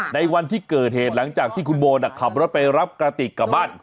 ในวันที่เกิดเหตุหลังจากที่คุณโบขับรถไปรับกระติกกลับบ้าน